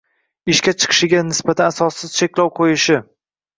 ishga chiqishiga nisbatan asossiz cheklov qo‘yishi